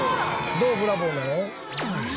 どうブラボーなの？